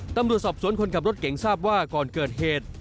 ตำรวจสอบสวนคนขับรถเก่งทราบว่าก่อนเกิดเหตุ